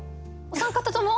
お三方とも？